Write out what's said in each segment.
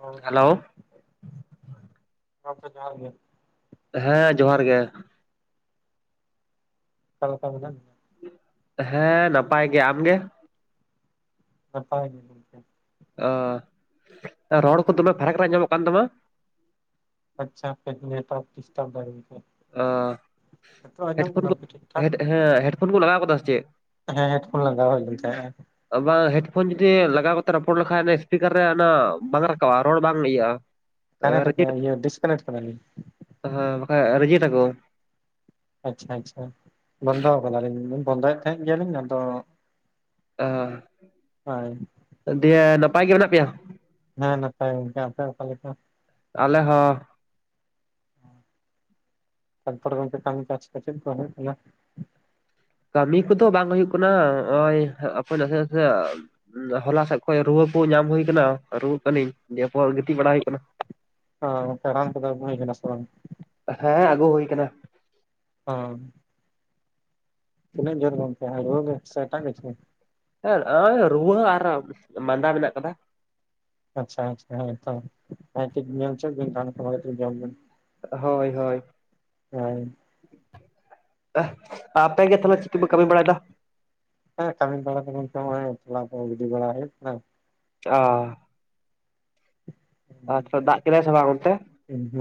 ᱦᱮᱸ ᱦᱮᱞᱳ ᱜᱚᱢᱠᱮ ᱡᱚᱦᱟᱨ ᱜᱮ᱾ ᱦᱮᱸ ᱡᱚᱦᱟᱨ ᱜᱮ᱾ ᱜᱚᱢᱠᱮ ᱞᱟᱹᱭ ᱵᱮᱱ ᱦᱮᱸ ᱱᱟᱯᱟᱭ ᱜᱮ, ᱟᱢ ᱜᱮ? ᱱᱟᱯᱟᱭ ᱜᱤ ᱜᱚᱢᱠᱮ᱾ ᱟᱹ ᱨᱚᱲ ᱠᱚ ᱫᱚᱢᱮ ᱯᱷᱟᱨᱟᱠ ᱨᱮ ᱟᱸᱡᱚᱢᱚᱜ ᱠᱟᱱ ᱛᱟᱢᱟ? ᱟᱪᱪᱷᱟ ᱠᱟ‌. ᱡ ᱱᱮᱴᱚᱣᱟᱨᱠ ᱰᱤᱥᱴᱟᱵ ᱫᱟᱭ ᱜᱚᱢᱠᱮ, ᱚ ᱱᱤᱛᱚᱜ ᱟᱸᱡᱚᱢᱚᱜ ᱦᱮᱰᱯᱷᱳᱱ ᱠᱟᱱᱟ ᱠᱚ ᱴᱷᱤᱠᱼᱴᱷᱟᱠ? ᱦᱮᱰ ᱦᱮᱸ ᱦᱮᱰᱯᱷᱳᱱ ᱠᱚ ᱞᱟᱜᱟᱣ ᱠᱟᱫᱟ ᱥᱮᱪᱮᱫ? ᱦᱮᱸ ᱦᱮᱰᱯᱷᱳᱱ ᱞᱟᱸᱜᱟ ᱦᱩᱭᱞᱮᱱ ᱛᱟᱦᱮᱸᱡ᱾ ᱵᱟᱝ ᱦᱮᱰᱯᱷᱳᱱ ᱡᱩᱫᱤ ᱞᱟᱜᱟᱣ ᱠᱟᱛᱮ ᱨᱚᱯᱚᱲ ᱞᱮᱠᱷᱟᱡ ᱥᱤᱥᱯᱤᱠᱟᱨ ᱨᱮ ᱚᱱᱟ ᱵᱟᱝ ᱨᱟᱠᱟᱵᱟ ᱨᱚᱲ ᱵᱟᱝ ᱤᱭᱟᱹᱜᱼᱟ᱾ ᱠᱟᱱᱟᱴᱠ ᱠᱟ ᱨᱮᱡᱮᱠᱴ ᱤᱭᱟᱹ ᱰᱤᱥᱠᱟᱱᱮᱴ ᱠᱟᱫᱟ ᱞᱤᱧ᱾ ᱦᱮᱸ ᱵᱟᱠᱷᱟᱡ ᱨᱤᱡᱮᱴ ᱟᱠᱚ᱾ ᱟᱪᱪᱷᱟ ᱟᱪᱪᱷᱟ ᱵᱚᱱᱫᱚ ᱠᱟᱫᱟᱞᱤᱧ, ᱵᱚᱱᱫᱚᱭᱮᱫ ᱛᱟᱦᱮᱸᱫ ᱜᱮᱭᱟᱞᱤᱧ ᱟᱫᱚ ᱦᱳᱭ ᱚ ᱫᱤᱭᱮ ᱱᱟᱯᱟᱭ ᱜᱮ ᱢᱮᱱᱟᱜ ᱯᱮᱭᱟ? ᱦᱮᱸ ᱱᱟᱯᱟᱭ ᱜᱮ, ᱟᱯᱮ ᱚᱠᱟ ᱞᱮᱠᱟ? ᱟᱞᱮ ᱦᱚ᱾ ᱚ ᱛᱟᱨᱯᱚᱨᱮ ᱜᱚᱢᱠᱮ ᱠᱟᱹᱢᱤ ᱠᱟᱪ ᱠᱚ ᱪᱮᱫ ᱞᱮᱠᱟ ᱦᱩᱭᱩᱜ ᱜᱮᱭᱟ? ᱠᱟᱹᱢᱤ ᱠᱚᱫᱚ ᱵᱟᱝ ᱦᱩᱭᱩᱜ ᱠᱟᱱᱟ ᱦᱚᱜᱼᱚᱭ ᱟᱯᱮ ᱱᱟᱥᱮ ᱱᱟᱥᱮ ᱦᱚᱞᱟ ᱥᱮᱫ ᱠᱷᱚᱡ ᱨᱩᱣᱟᱹ ᱠᱚ ᱧᱟᱢ ᱦᱩᱭᱩ ᱠᱟᱱᱟ ᱨᱩᱣᱟᱹᱜ ᱠᱟᱹᱱᱤᱧ᱾ ᱫᱤᱭᱮᱯᱚᱨ ᱜᱤᱛᱤᱡ ᱵᱟᱲᱟ ᱦᱩᱭᱩᱜ ᱠᱟᱱᱟ᱾ ᱚ ᱜᱚᱢᱠᱮ ᱨᱟᱱ ᱠᱚᱫᱚ ᱟᱹᱜᱩ ᱦᱩᱭ ᱠᱟᱱᱟ ᱥᱮ ᱵᱟᱝ? ᱦᱮᱸ ᱟᱹᱜᱩ ᱦᱩᱭ ᱠᱟᱱᱟ᱾ ᱦᱚᱸ ᱛᱱᱟᱹᱧ ᱡᱳᱨ ᱜᱚᱢᱠᱮ ᱦᱟᱭᱰᱳᱞᱤᱠ ᱥᱮ ᱮᱴᱟᱜ ᱠᱤᱪᱷᱩ? ᱦᱮᱸ ᱱᱚᱜ ᱨᱩᱣᱟᱹ ᱟᱨ ᱢᱟᱸᱫᱟ ᱢᱮᱱᱟᱜ ᱠᱟᱫᱟ᱾ ᱟᱪᱪᱷᱟ ᱟᱪᱪᱷᱟ ᱦᱮᱸᱛᱚ ᱵᱷᱟᱜᱮᱴᱷᱤᱠ ᱧᱮᱞ ᱦᱚᱪᱚᱜ ᱵᱤᱱ ᱨᱟᱱ ᱠᱚ ᱵᱷᱟᱜᱮᱴᱷᱤᱠ ᱡᱚᱢ ᱵᱤᱱ᱾ ᱦᱳᱭ ᱦᱳᱭ᱾ [inaudible] ᱟᱯᱮ ᱜᱮ ᱛᱟᱦᱚᱞᱮ ᱪᱤᱠ ᱠᱚᱯᱮ ᱠᱟᱹᱢᱤ ᱵᱟᱲᱟᱭᱫᱟ? ᱦᱮᱸ ᱠᱟᱹᱢᱤ ᱵᱟᱲᱟ ᱫᱚ ᱱᱤᱛᱜ ᱛᱚᱞᱟ ᱠᱚ ᱜᱤᱰᱤ ᱵᱟᱲᱟ ᱦᱩᱭᱩᱜ ᱠᱟᱱᱟ᱾ ᱚ᱾ ᱟᱪᱪᱷᱟ, ᱫᱟᱜ ᱠᱮᱫᱟᱭ ᱥᱮ ᱵᱟᱝ ᱚᱱᱛᱮ?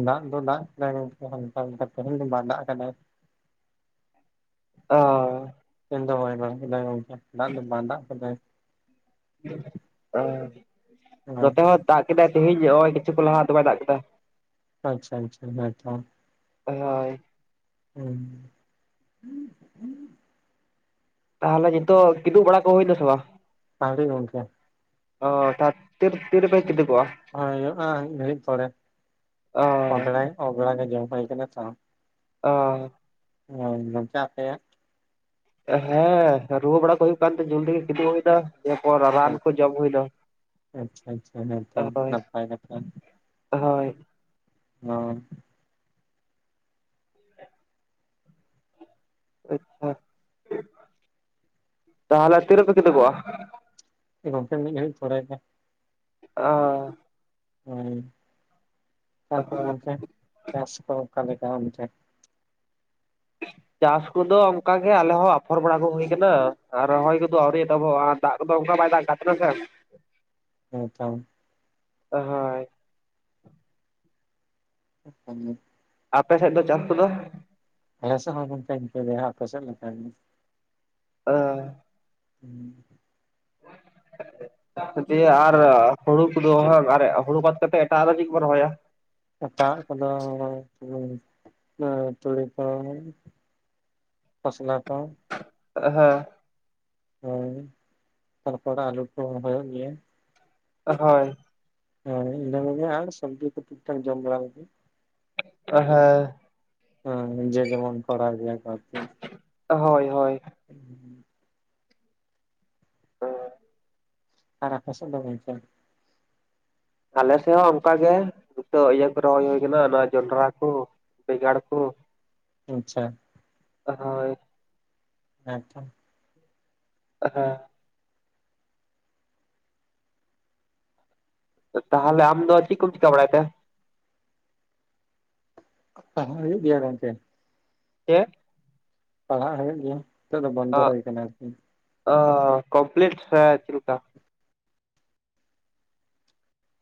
ᱫᱟᱜ ᱫᱚ ᱫᱟᱜ ᱠᱮᱫᱟᱭ ᱜᱚᱢᱠᱮ ᱦᱟᱞᱠᱟ ᱦᱟᱞᱠᱟ, ᱛᱮᱦᱮᱧ ᱫᱚ ᱵᱟᱭ ᱫᱟᱜ ᱠᱟᱫᱟᱭ᱾ ᱚ᱾ ᱛᱮᱦᱮᱧ ᱫᱚ ᱵᱟᱭ ᱫᱟᱜ ᱠᱟᱫᱟ ᱜᱚᱢᱠᱮ, [unintelligible] ᱫᱟᱜ ᱠᱟᱫᱟᱭ᱾ ᱚ ᱦᱳᱭ ᱱᱚᱛᱮ ᱦᱚᱸ ᱫᱟᱜ ᱠᱮᱫᱟᱭ ᱛᱮᱦᱮᱧ ᱱᱚᱜᱼᱚᱭ ᱠᱤᱪᱷᱩ ᱠᱷᱚᱱ ᱞᱟᱦᱟ ᱫᱚᱢᱮᱭ ᱫᱟᱜ ᱠᱮᱫᱟ᱾ ᱟᱪᱪᱷᱟ ᱟᱪᱪᱷᱟ ᱦᱮᱸᱛᱚ ᱦᱳᱭ ᱩᱸ ᱛᱟᱦᱚᱞᱮ ᱱᱤᱛᱚᱜ ᱠᱤᱫᱩᱵ ᱵᱟᱲᱟ ᱠᱚ ᱦᱩᱭ ᱱᱟ ᱥᱮ ᱵᱟᱝ? ᱟᱹᱣᱨᱤ ᱜᱚᱢᱠᱮ᱾ ᱚ ᱛᱟ ᱛᱤᱨᱮᱯᱮ ᱛᱤᱨᱮᱯᱮ ᱠᱤᱫᱩᱵᱚᱜᱼᱟ? ᱦᱩᱭᱩᱜᱼᱟ ᱢᱤᱫ ᱜᱷᱲᱤᱡ ᱯᱚᱨᱮ, ᱚ [unintelligible] ᱜᱮ ᱡᱚᱢ ᱦᱩᱭ ᱠᱟᱱᱟ ᱛᱚ᱾ ᱚ᱾ ᱦᱚᱭ ᱢᱚᱪᱟ ᱛᱮ ᱦᱮᱸ ᱨᱩᱣᱟᱹ ᱵᱟᱲᱟ ᱠᱚ ᱦᱩᱭᱩᱜ ᱠᱟᱱᱛᱮ ᱡᱚᱞᱫᱤ ᱜᱮ ᱠᱤᱫᱩᱵ ᱱᱟ᱾ ᱫᱤᱭᱮ ᱯᱚᱨ ᱨᱟᱱ ᱠᱚ ᱡᱚᱢ ᱦᱩᱭ ᱱᱟ ᱟᱪᱪᱷᱟ ᱟᱪᱪᱷᱟ ᱦᱮᱸᱛᱚ ᱦᱳᱭ᱾ ᱱᱟᱯᱟᱭ ᱠᱟᱛᱷᱟ ᱦᱳᱭ᱾ ᱦᱚ᱾ ᱟᱪᱪᱷᱟ, ᱛᱟᱦᱞᱮ ᱛᱤᱨᱮᱯᱮ ᱠᱤᱫᱩᱜᱼᱟ? ᱜᱚᱢᱠᱮ ᱢᱤᱫ ᱜᱷᱟᱹᱨᱤᱡ ᱯᱚᱨᱮ ᱜᱮ᱾ ᱚ᱾ ᱦ ᱛᱟᱯᱚᱨ ᱜᱚᱝᱠᱮ ᱪᱟᱥ ᱠᱚ ᱚᱠᱟᱮ ᱞᱮᱠᱟ ᱚᱱᱛᱮ? ᱪᱟᱥ ᱠᱚᱫᱚ ᱚᱱᱠᱟᱜᱮ ᱟᱞᱮᱦ ᱟᱯᱷᱚᱨ ᱵᱟᱲᱟ ᱠᱚ ᱦᱩᱭᱩ ᱟᱠᱟᱱᱟ᱾ ᱟᱨ ᱨᱚᱦᱚᱭ ᱠᱚᱫᱚ ᱟᱹᱣᱨᱤ ᱮᱛᱟᱵᱚᱜᱼᱟ᱾ ᱫᱟᱜ ᱠᱚᱫᱚ ᱚᱱᱠᱟ ᱵᱟᱭ ᱫᱟᱜ ᱟᱠᱟᱛ ᱛᱟᱦᱮᱱᱟᱥᱮ ᱾ ᱦᱮ ᱪᱚᱝ ᱦᱳᱭ ᱟ [unintelligible] ᱟᱯᱮ ᱥᱮᱫ ᱫᱚ ᱪᱟᱥ ᱠᱚᱫᱚ? ᱟᱞᱮ ᱥᱮᱫ ᱦᱚᱸ ᱜᱚᱝᱠᱮ ᱤᱱᱠᱟᱹᱜᱮ ᱟᱯᱮᱥᱮᱫ ᱞᱮᱠᱟᱜᱮ᱾ ᱚ ᱦᱩᱸ ᱫᱤᱭᱮ ᱟᱨ ᱜᱮ᱾ ᱦᱩᱲᱩ [unintelligible] ᱟᱨ ᱦᱩᱲᱩ ᱵᱟᱫ ᱠᱟᱛᱮᱮᱫ ᱮᱴᱟᱜ ᱟᱨᱚ ᱪᱮᱫ ᱜᱮ ᱠᱚᱱ ᱨᱚᱦᱚᱭᱟ? ᱮᱴᱟ-ᱟ ᱠᱚᱫᱚ ᱛᱩᱲᱤ ᱠ ᱠᱷᱚᱥᱞᱟ ᱠᱚ ᱦᱮᱸ ᱦᱳᱭ ᱛᱟᱨᱯᱚᱨ ᱟᱹᱞᱩ ᱠᱚᱦᱚᱸ ᱨᱚᱦᱚᱭ-ᱚ ᱜᱮᱭᱟ᱾ ᱦᱳᱭ ᱦᱮᱸ ᱤᱱᱟᱹ ᱠᱚᱜᱮ ᱟᱨ ᱥᱚᱵᱽᱡᱤ ᱠᱚ ᱴᱤᱠᱴᱷᱟᱠ ᱡᱚᱢ ᱵᱟᱲᱟ ᱞᱟᱹᱜᱤᱫ ᱦᱮᱸ ᱦᱮᱸ ᱡᱮ ᱡᱮᱢᱚᱱ ᱠᱚᱨᱟᱣ ᱜᱮᱭᱟ ᱠᱚ ᱟᱨᱠᱤ᱾ ᱦᱳᱭ ᱦᱳᱭ [inaudible] [unintelligible] ᱟᱨ ᱟᱯᱮ ᱥᱮᱫ ᱫᱚ ᱜᱚᱝᱠᱮ? ᱟᱞᱮ ᱥᱮᱫ ᱦᱚᱸ ᱚᱱᱠᱟ ᱜᱮ ᱡᱚᱛᱚ ᱤᱭᱟᱹ ᱠᱚ ᱨᱚᱦᱚᱭ ᱦᱩᱭ ᱠᱟᱱᱟ ᱱᱚᱣᱟ ᱡᱚᱸᱱᱰᱨᱟ ᱠᱚ ᱵᱮᱸᱜᱟᱲ ᱠᱚ ᱟᱪᱪᱷᱟ ᱦᱳᱭ [unintelligible] [unintelligible] ᱛᱟᱦᱞᱮ ᱟᱢ ᱫᱚ ᱪᱮᱫ ᱠᱚᱢ ᱪᱤᱠᱟᱹ ᱵᱟᱲᱟᱭ ᱮᱫ ᱛᱮ? ᱞᱟᱲᱦᱟᱭ ᱦᱩᱭᱩ ᱜᱤᱭᱟ ᱜᱚᱝᱠᱮ᱾ ᱪᱮᱫ ᱯᱟᱲᱦᱟᱜ ᱦᱩᱭᱩᱜ ᱜᱮᱭᱟ ᱱᱤᱛᱚᱜ ᱫᱚ ᱵᱚᱱᱫᱚ ᱦᱩᱭ ᱟᱠᱟᱱᱟ ᱟᱨᱠᱤ᱾ ᱚ ᱠᱚᱢᱯᱞᱤᱴ ᱥᱮ ᱪᱮᱫ ᱞᱮᱠᱟ?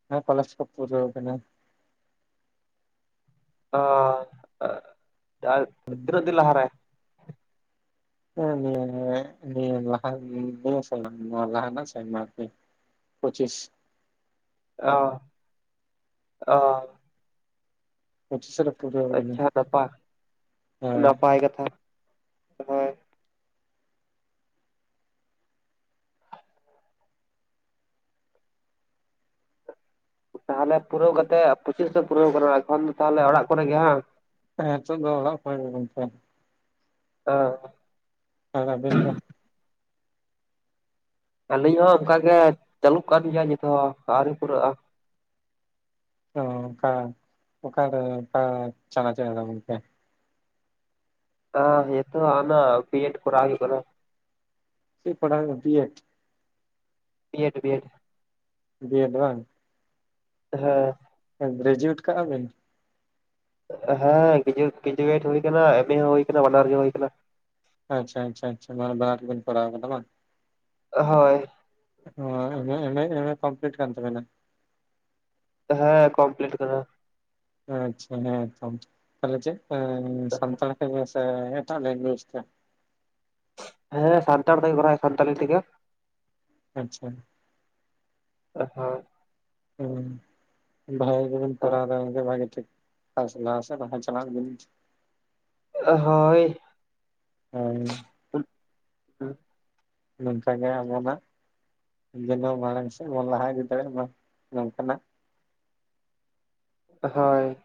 ᱦᱮᱸ ᱠᱚᱞᱮᱡᱽ ᱠᱚ ᱯᱩᱨᱟᱹᱣ ᱟᱠᱟᱱᱟ᱾ ᱚ ᱛᱤᱱᱟᱹᱜ ᱫᱤᱱ ᱞᱟᱦᱟ ᱨᱮ? ᱦᱮ ᱱᱤᱭᱟᱹ [unintelligible] ᱞᱟᱦᱟ ᱱᱟᱜ ᱥᱮᱨᱢᱟ ᱟᱨ ᱠᱤ ᱯᱚᱸᱪᱤᱥ ᱚ ᱚ ᱯᱚᱸᱪᱤᱥ ᱨᱮ ᱯᱩᱨᱟᱹᱣ ᱠᱟᱱᱟ᱾ ᱟᱪᱪᱷᱟ ᱱᱟᱯᱟᱭ ᱦᱚᱭ ᱱᱟᱯᱟᱭ ᱠᱟᱛᱷᱟ ᱦᱳᱭ ᱛᱟᱦᱞᱮ ᱯᱩᱨᱟᱹᱣ ᱠᱟᱛᱮ ᱯᱚᱸᱪᱤᱥ ᱫᱚ ᱯᱩᱨᱟᱹᱣ ᱠᱟᱱᱟ ᱮᱠᱷᱚᱱ ᱫᱚ ᱛᱟᱦᱞᱮ ᱚᱲᱟᱜ ᱠᱚᱨᱮ ᱜᱮ ᱵᱟᱝ ᱦᱮᱸ ᱱᱤᱛᱚᱜ ᱫᱚ ᱚᱲᱟᱜ ᱠᱚᱨᱮ ᱜᱮ ᱜᱚᱝᱠᱮ᱾ ᱚ ᱟᱨ ᱟᱵᱤᱱ ᱫᱚ ᱟᱹᱞᱤᱧ ᱦᱚᱸ ᱚᱱᱠᱟ ᱜᱮ ᱪᱟᱹᱞᱩᱜ ᱠᱟᱱ ᱜᱮᱭᱟ ᱱᱤᱛ ᱦᱚᱸ ᱟᱹᱣᱨᱤ ᱯᱩᱨᱟᱹᱜᱼᱟ ᱚ ᱚᱠᱟ ᱚᱠᱟ ᱨᱮ ᱚᱠᱟ ᱪᱟᱱᱟ ᱨᱮ ᱟᱫᱚ ᱜᱚᱝᱠᱮ? ᱱᱤᱛᱚᱜ ᱚᱱᱟ ᱵᱤᱭᱮᱰ ᱠᱚᱨᱟᱣ ᱦᱳᱭᱳᱜ ᱠᱟᱱᱟ ᱪᱮᱫ ᱯᱟᱲᱦᱟᱣ ᱵᱤᱭᱮᱰ ᱵᱤᱭᱮᱰ ᱵᱤᱭᱮᱰ ᱵᱤᱭᱮᱰ ᱵᱟᱝ ᱦᱮᱸ ᱜᱨᱮᱡᱩᱭᱮᱴ ᱠᱟᱜᱼᱟ ᱵᱤᱱ? ᱦᱮᱸ ᱜᱮᱡᱩᱭᱮᱴ ᱜᱨᱮᱡᱩᱭᱮᱴ ᱦᱩᱭ ᱟᱠᱟᱱᱟ ᱮᱢ ᱮ ᱦᱚᱸ ᱦᱩᱭ ᱠᱟᱱᱟ ᱵᱟᱱᱟᱨ ᱜᱮ ᱦᱩᱭ ᱠᱟᱱᱟ ᱟᱪᱪᱷᱟ ᱟᱪᱪᱷᱟ ᱟᱪᱪᱷᱟ ᱢᱟᱱᱮ ᱵᱟᱱᱟᱨ ᱜᱮ ᱵᱮᱱ ᱠᱚᱨᱟᱣ ᱟᱠᱟᱫᱟ ᱵᱟᱝ ᱦᱳᱭ ᱦᱳᱭ ᱮᱢ ᱮ ᱮᱢ ᱮ ᱮᱢ ᱮ ᱠᱚᱢᱯᱞᱤᱴ ᱠᱟᱱ ᱛᱟᱵᱤᱱᱟ ᱦᱮᱸ ᱠᱚᱢᱯᱞᱤᱴ ᱠᱟᱫᱟ ᱟᱪᱪᱷᱟ ᱦᱮᱸᱛᱚ ᱛᱟᱞᱦᱮ ᱪᱮᱫ ᱥᱟᱱᱛᱟᱲ ᱛᱮ ᱜᱮ ᱥᱮ ᱮᱴᱟᱜ ᱞᱮᱝᱜᱩᱭᱮᱡᱽ ᱛᱮ? ᱦᱮᱸ ᱥᱟᱱᱛᱟᱲ ᱛᱮ ᱜᱮ ᱠᱚᱨᱟᱣ ᱦᱳᱭᱳᱜ ᱠᱟᱱᱟ ᱥᱟᱱᱛᱟᱞᱤ ᱛᱮᱜᱮ ᱟᱪᱪᱷᱟ ᱦᱳᱭ ᱵᱷᱟᱜᱮ ᱜᱮ ᱵᱤᱱ ᱯᱟᱲᱦᱟᱣ ᱫᱟ ᱜᱚᱝᱠᱮ ᱵᱷᱟᱹᱜᱮ ᱴᱷᱤᱠ ᱯᱷᱟᱥ ᱞᱟᱦᱟ ᱥᱮᱫ ᱞᱟᱦᱟ ᱪᱟᱞᱟᱜ ᱵᱤᱱ ᱦᱳᱭ ᱦᱳᱭ ᱱᱚᱝᱠᱟ ᱜᱮ ᱟᱵᱚᱱᱟᱜ ᱡᱮᱱᱚ ᱢᱟᱲᱟᱝ ᱥᱮᱫ ᱵᱚᱱ ᱞᱟᱦᱟ ᱤᱫᱤ ᱫᱟᱲᱮᱭᱟᱜ ᱢᱟ ᱱᱚᱝᱠᱟᱱᱟᱜ ᱦᱳᱭ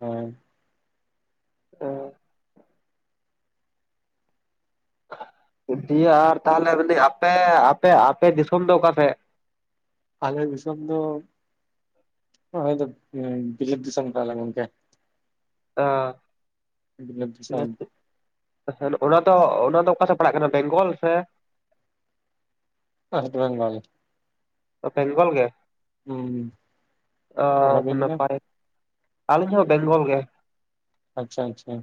ᱦᱳᱭ ᱚ ᱫᱤᱭᱮ ᱟᱨ ᱛᱟᱦᱟᱞᱮ ᱢᱮᱱᱫᱟᱹᱧ ᱟᱯᱮ ᱟᱯᱮ ᱟᱯᱮ ᱫᱤᱥᱚᱢ ᱫᱚ ᱚᱠᱟᱥᱮᱫ? ᱟᱞᱮ ᱫᱤᱥᱚᱢ ᱫᱚ ᱚᱭ ᱫᱚᱯ ᱵᱤᱞᱟᱹᱛ ᱫᱤᱥᱚᱢ ᱠᱟᱱᱟᱞᱮ ᱜᱚᱝᱠᱮ ᱟ ᱵᱤᱞᱟᱹᱛ ᱫᱤᱥᱚᱢ ᱡᱟᱹᱥᱛᱤᱜ ᱟᱪᱪᱷᱟ ᱚᱱᱟ ᱫᱚ ᱚᱱᱟ ᱫᱚ ᱚᱠᱟ ᱥᱮᱫ ᱯᱟᱲᱟᱜ ᱠᱟᱱᱟ ᱵᱮᱝᱜᱚᱞ ᱥᱮ ᱳᱭᱮᱥᱴ ᱵᱮᱝᱜᱚᱞ ᱚ ᱵᱮᱝᱜᱚᱞ ᱜᱮ ᱦᱩᱸ ᱚ ᱟᱵᱤᱱ ᱱᱟᱯᱟᱭ ᱟᱞᱮ ᱦᱚᱸ ᱵᱮᱝᱜᱚᱞ ᱜᱮ ᱟᱪᱪᱷᱟ ᱟᱪᱪᱷᱟ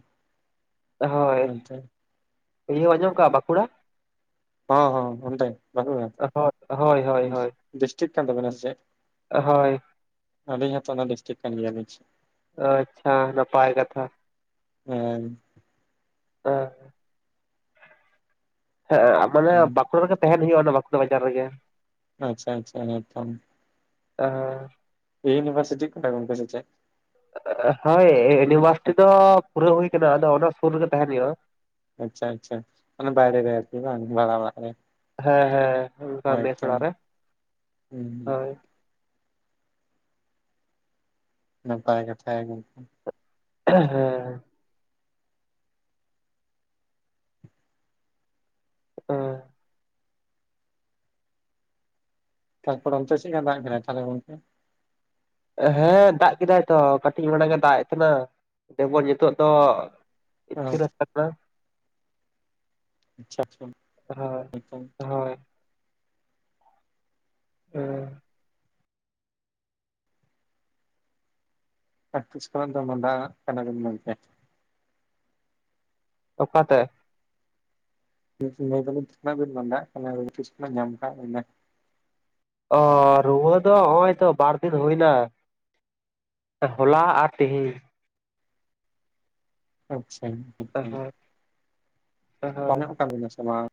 ᱦᱩᱸ ᱪᱮ ᱤᱭᱟᱹᱢ ᱟᱸᱡᱚᱢ ᱠᱟᱜᱼᱟ ᱵᱟᱸᱠᱩᱲᱟ ᱦᱚᱸ ᱦᱚᱸ ᱚᱸᱰᱮ ᱵᱟᱸᱠᱩᱲᱟ ᱦᱳᱭ ᱦᱳᱭ ᱦᱳᱭ ᱦᱳᱭ ᱰᱤᱥᱴᱤᱠ ᱠᱟᱱ ᱛᱟᱵᱤᱱᱟ ᱥᱮ ᱪᱮᱫ? ᱦᱳᱭ, ᱟᱹᱞᱤᱧ ᱦᱚᱸᱛᱚ ᱚᱱᱟ ᱰᱤᱥᱴᱤᱠ ᱠᱟᱱ ᱜᱮᱭᱟᱞᱤᱧ ᱚ ᱟᱪᱪᱷᱟ ᱱᱟᱯᱟᱭ ᱠᱟᱛᱷᱟ ᱦᱮᱸ ᱚ ᱦᱮᱸᱜ ᱮ ᱢᱟᱱᱮ ᱵᱟᱸᱠᱩᱲᱟ ᱨᱮᱜᱮ ᱛᱟᱦᱮᱱ ᱦᱩᱭᱩᱜᱼᱟ ᱚᱱᱟ ᱵᱟᱸᱠᱩᱲᱟ ᱵᱟᱡᱟᱨ ᱨᱮᱜᱮ ᱟᱪᱪᱷᱟ ᱟᱪᱪᱷᱟ ᱦᱮᱸ ᱛᱚᱢ ᱤᱭᱩᱱᱤᱵᱷᱟᱨᱥᱤᱴᱤ ᱠᱚᱨᱮ ᱜᱚᱝᱠᱮ ᱥᱮᱪᱮᱜ? ᱦᱳᱭ ᱤᱭᱩᱱᱤᱵᱷᱟᱨᱥᱤᱴᱤ ᱫᱚ ᱯᱩᱨᱟᱹ ᱦᱩᱭ ᱠᱟᱱᱟ ᱟᱫᱚ ᱚᱱᱟ ᱥᱩᱨ ᱨᱮᱜᱮ ᱛᱟᱦᱮᱱ ᱦᱩᱭᱩᱜᱼᱟ ᱟᱪᱪᱷᱟ ᱟᱪᱪᱷᱟ ᱚᱱᱟ ᱵᱟᱭᱨᱮ ᱨᱮ ᱟᱨᱠᱤ ᱵᱟᱝ ᱵᱷᱟᱲᱟ ᱚᱲᱟᱜ ᱨᱮ ᱦᱮᱸ ᱦᱮᱸ ᱚᱱᱠᱟ ᱢᱮᱥ ᱦᱳᱭᱛᱚ ᱚᱲᱟᱜ ᱨᱮ ᱦᱩᱸ ᱦᱳᱭ ᱱᱟᱯᱟᱭ ᱠᱟᱛᱷᱟ ᱜᱮ ᱜᱚᱝᱠᱮ ᱦᱮᱸ ᱚ ᱛᱟᱨᱯᱚᱨ ᱚᱱᱛᱮ ᱪᱮᱫᱠᱟ ᱫᱟᱜ ᱠᱮᱫᱟᱭ ᱛᱟᱞᱦᱮ ᱜᱚᱝᱠᱮ? ᱦᱮᱸ ᱫᱟᱜ ᱠᱮᱫᱟᱭ ᱛᱚ ᱠᱟᱹᱴᱤᱡ ᱢᱟᱲᱟᱝ ᱮ ᱫᱟᱜ ᱮᱜ ᱛᱮᱱᱟ ᱡᱮᱢᱚᱱ ᱱᱤᱛᱚᱜ ᱫᱚ ᱠᱟᱹᱡ ᱛᱷᱤᱨ ᱠᱟᱱᱟ ᱟᱪᱪᱷᱟ ᱟᱪᱪᱷᱟ᱾ ᱦᱳᱭ ᱦᱳᱭ ᱚ ᱛᱤᱥ ᱠᱷᱚᱱ ᱫᱚ ᱢᱟᱰᱟᱣᱟᱜ ᱠᱟᱱᱟ ᱵᱤᱱ ᱜᱚᱝᱠᱮ ᱚᱠᱟᱛᱮ ᱢᱤᱥ ᱢᱮᱫᱟᱞᱤᱧ ᱛᱤᱱᱟᱹᱜ ᱵᱤᱱ ᱢᱟ ᱫᱟᱜ ᱠᱟᱱᱟ ᱛᱤᱥ ᱠᱷᱚᱱᱟᱜ ᱧᱟᱢ ᱠᱟᱜ ᱵᱤᱱᱟ ᱚ ᱨᱩᱣᱟᱹ ᱫᱚ ᱚᱭ ᱛᱚ ᱵᱟᱨ ᱫᱤᱱ ᱦᱩᱭᱱᱟ ᱦᱚᱞᱟ ᱟᱨ ᱛᱤᱦᱮᱧ ᱟᱪᱪᱷᱟ ᱱᱤᱛ ᱦᱚ ᱦᱳᱭ ᱦᱳᱭ ᱠᱚᱢᱚᱜ ᱠᱟᱵᱤᱱᱟ ᱥᱮ ᱵᱟᱝ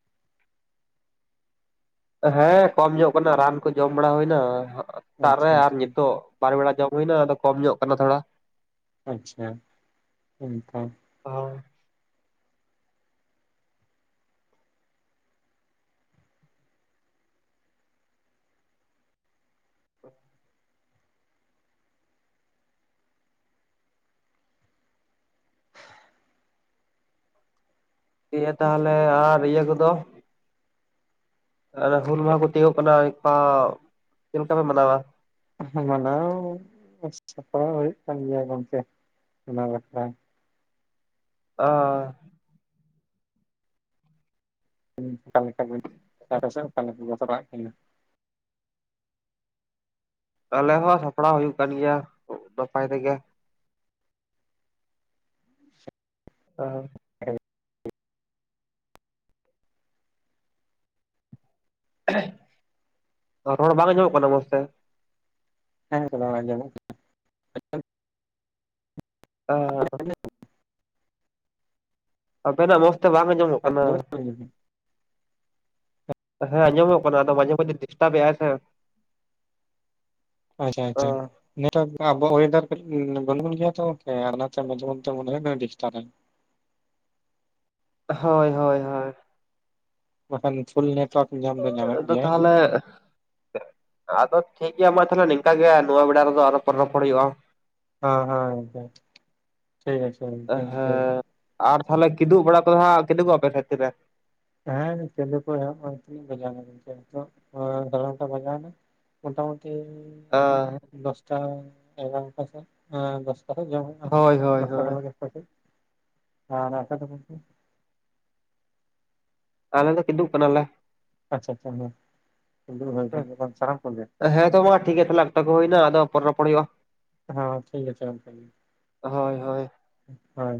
ᱦᱮᱸ ᱠᱚᱢ ᱧᱚᱜ ᱠᱟᱱᱟ ᱨᱟᱱ ᱠᱚ ᱡᱚᱢ ᱵᱟᱲᱟ ᱦᱩᱭᱱᱟ ᱥᱮᱛᱟᱜ ᱨᱮ ᱟᱪᱪᱷᱟ ᱟᱨ ᱱᱤᱛᱚᱜ ᱵᱟᱨ ᱵᱮᱲᱟ ᱡᱚᱢ ᱦᱩᱭᱱᱟ ᱟᱫᱚ ᱠᱚᱢ ᱧᱚᱜ ᱠᱟᱱᱟ ᱛᱷᱚᱲᱟ ᱟᱪᱪᱷᱟ ᱩᱱᱠᱟ ᱦᱚᱭ ᱫᱮᱭᱟ ᱛᱟᱦᱟᱞᱮ ᱟᱨ ᱤᱭᱟᱹ ᱠᱚᱫᱚ ᱟᱨ ᱦᱩᱞ ᱢᱟᱦᱟ ᱠᱚ ᱛᱤᱭᱳᱜᱚᱜ ᱠᱟᱱᱟ ᱤᱯᱟᱣ ᱪᱮᱫ ᱞᱮᱠᱟ ᱯᱮ ᱢᱟᱱᱟᱣᱟ ᱢᱟᱱᱟᱣ ᱥᱟᱯᱲᱟᱣ ᱦᱩᱭᱩᱜ ᱠᱟᱱ ᱜᱮᱭᱟ ᱜᱚᱝᱠᱮ ᱚᱱᱟ ᱵᱟᱠᱷᱨᱟ ᱚᱻ ᱩᱸ ᱚᱠᱟ ᱞᱮᱠᱟ ᱜᱮ ᱠᱟᱨᱮᱥᱮᱜ ᱚᱠᱟ ᱞᱮᱠᱟ ᱜᱚᱥᱟᱨᱟᱜ ᱠᱟᱱᱟ ᱟᱞᱮ ᱦᱚᱸ ᱥᱟᱯᱲᱟᱣ ᱦᱩᱭᱩᱜ ᱠᱟᱱ ᱜᱮᱭᱟ ᱱᱟᱯᱟᱭ ᱛᱮᱜᱮ [inaudible] ᱟᱨ [inaudible] ᱮᱦᱮ ᱨᱚᱲ ᱵᱟᱝ ᱟᱸᱡᱚᱢᱚᱜ ᱠᱟᱱᱟ ᱢᱚᱡᱽᱛᱮ ᱦᱮᱸ ᱨᱚᱲ ᱟᱸᱡᱚᱢᱚᱜ ᱠᱟᱱᱟ ᱚ ᱟᱵᱮᱱᱟᱜ ᱢᱚᱡᱽ ᱛᱮ ᱵᱟᱝ ᱟᱸᱡᱚᱢᱚᱜ ᱠᱟᱱᱟ ᱦᱮᱸ ᱟᱸᱡᱚᱢᱚᱜ ᱠᱟᱱᱟ ᱟᱫᱚ ᱢᱟᱡᱷᱮ ᱢᱩᱫᱡᱷᱮ ᱰᱤᱥᱴᱟᱵ ᱮᱫ ᱟᱭ ᱥᱮ [inaudible] ᱟᱪᱪᱷᱟ ᱟᱪᱪᱷᱟ ᱱᱮᱴᱳᱭᱟᱨᱠ ᱟᱵᱚᱣᱟᱜ ᱳᱭᱮᱫᱟᱨ ᱜᱩᱱ ᱜᱩᱱ ᱜᱮᱭᱟ ᱛᱚ ᱜᱚᱝᱠᱮ ᱟᱨ ᱚᱱᱟᱛᱮ ᱢᱟᱡᱷᱮ ᱢᱚᱫᱽᱫᱷᱮ ᱢᱚᱱᱮ ᱦᱳᱭᱳᱜ ᱠᱟᱱᱟ ᱰᱤᱥᱴᱟᱵ ᱟᱭ ᱦᱳᱭ ᱦᱳᱭ ᱦᱳᱭ ᱵᱟᱠᱷᱟᱱ ᱯᱷᱩᱞ ᱱᱮᱴᱚᱣᱟᱨᱠ ᱧᱟᱢ ᱫᱚ ᱧᱟᱢᱮᱫ ᱜᱮᱭᱟᱭ ᱮᱜ ᱟᱫᱚ ᱴᱷᱤᱠ ᱜᱮᱭᱟ ᱢᱟ ᱛᱟᱦᱚᱞᱮ ᱱᱤᱝᱠᱟ ᱜᱮ ᱱᱚᱣᱟ ᱵᱮᱲᱟ ᱨᱮᱫᱚ ᱟᱨᱚ ᱨᱚᱯᱚᱲ ᱦᱩᱭᱩᱜ-ᱟ᱾ ᱦᱮᱸ ᱦᱮᱸ ᱜᱚᱝᱠᱮ ᱴᱷᱤᱠ ᱟᱪᱷᱮ ᱜᱚᱢᱠᱮ ᱴᱷᱤᱠ ᱜᱮᱭᱟ ᱦᱮᱸ ᱟᱨ ᱛᱟᱦᱚᱞᱮ ᱠᱤᱫᱩᱵ ᱵᱟᱲᱟ ᱠᱚᱫᱚ ᱦᱟᱸᱜ ᱠᱤᱫᱩᱵᱚᱜ ᱟᱯᱮ ᱛᱤᱨᱮ ᱦᱮᱸ [unintelligible] ᱥᱟᱲᱮ ᱱᱚᱴᱟ ᱵᱟᱡᱟᱣ ᱱᱟ ᱢᱳᱴᱟᱢᱩᱴᱤ ᱚ ᱫᱚᱥᱴᱟ ᱮᱜᱟᱨᱚᱴᱟ ᱥᱮᱫ, ᱮᱸ ᱫᱚᱥᱴᱟ ᱥᱮᱫ ᱡᱚᱢ ᱦᱩᱭᱩᱜ-ᱟ ᱦᱳᱭ ᱦᱳᱭ ᱫᱚᱥᱴᱟ ᱦᱳᱭ ᱥᱟᱲᱮ ᱫᱚᱥ᱾ ᱢᱟ ᱥᱮᱫ [unintelligible] ᱟᱞᱮ ᱫᱚ ᱠᱤᱫᱩᱵ ᱠᱟᱱᱟᱞᱮ᱾ ᱟᱪᱪᱷᱟ ᱟᱪᱪᱷᱟ ᱦᱩᱸ, ᱠᱤᱫᱩᱯ ᱦᱩᱭ ᱠᱟᱱᱜᱮᱭᱟ ᱮᱠᱫᱚᱢ ᱥᱟᱱᱟᱢ ᱠᱚ ᱜᱮ? ᱦᱮᱸ ᱛᱚ ᱢᱟ ᱴᱷᱤᱠ ᱛᱟᱞᱦᱮ ᱚᱠᱛᱚ ᱦᱩᱭᱱᱟ ᱟᱫᱚ ᱯᱚᱨᱮ ᱨᱚᱯᱚᱲ ᱦᱩᱭᱩᱜ-ᱟ᱾ ᱦᱚᱸ ᱴᱷᱤᱠ ᱟᱪᱷᱮ ᱜᱚᱝᱠᱮ ᱦᱳᱭ ᱦᱳᱭ ᱦᱳᱭ᱾